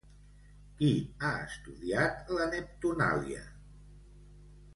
Qui ha estudiat la Neptunàlia?